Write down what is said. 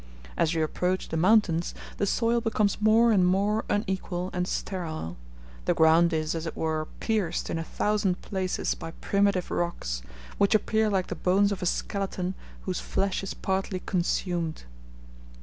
As you approach the mountains the soil becomes more and more unequal and sterile; the ground is, as it were, pierced in a thousand places by primitive rocks, which appear like the bones of a skeleton whose flesh is partly consumed.